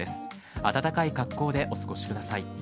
暖かい格好でお過ごしください。